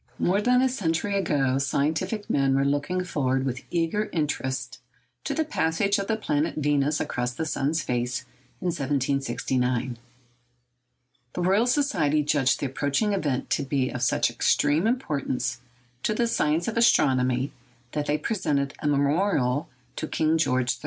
_ More than a century ago scientific men were looking forward with eager interest to the passage of the planet Venus across the sun's face in 1769. The Royal Society judged the approaching event to be of such extreme importance to the science of astronomy that they presented a memorial to King George III.